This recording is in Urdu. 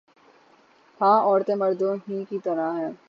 ہاں عورتیں مردوں ہی کی طرح ہیں